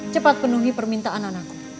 cepat penuhi permintaan anakku